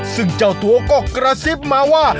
ซึ่งเจ้าตัวก็กระซิบมาว่า